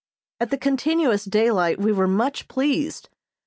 At the continuous daylight we were much pleased.